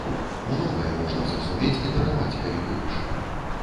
Многае можна зразумець і дараваць, калі любіш.